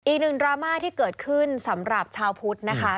ดราม่าที่เกิดขึ้นสำหรับชาวพุทธนะคะ